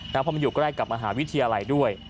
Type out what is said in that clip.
เพราะมันอยู่ใกล้กับมหาวิทยาลัยด้วย